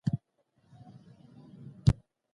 د خدای په مرسته به موږ بریالي سو.